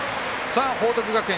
報徳学園